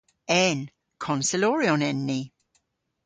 En. Konseloryon en ni.